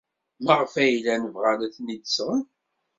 Maɣef ay llan bɣan ad ten-id-sɣen?